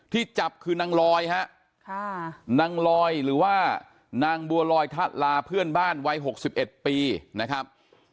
ที่จับคือนางลอยฮะนางลอยหรือว่านางบัวลอยทะลาเพื่อนบ้านวัย๖๑ปีนะครับ